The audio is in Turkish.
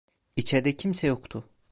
İçerde kimse yoktu.